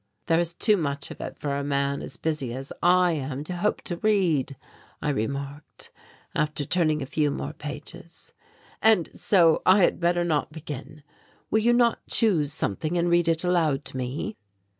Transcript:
"There is too much of it for a man as busy as I am to hope to read," I remarked, after turning a few more pages, "and so I had better not begin. Will you not choose something and read it aloud to me?"